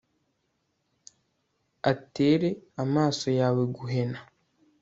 atere amaso yawe guhena